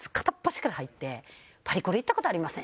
「パリコレ行った事ありません？」